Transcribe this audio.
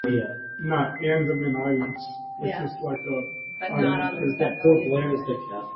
Bold Player with the fewest goals ever scored against in a season.